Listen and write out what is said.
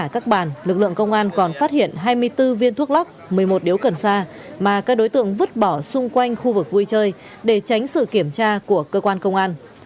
công an còn phát hiện hai mươi bốn viên thuốc lóc một mươi một điếu cần sa mà các đối tượng vứt bỏ xung quanh khu vực vui chơi để tránh sự kiểm tra của cơ quan công an